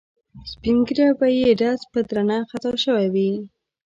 سپین ږیری یې ډز به درنه خطا شوی وي.